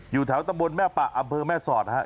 อยู่แถวตำบลแม่ปะอำเภอแม่สอดฮะ